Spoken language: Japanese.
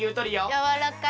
やわらかい！